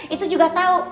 itu juga tau